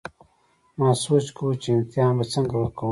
ما سوچ کوو چې امتحان به څنګه ورکوم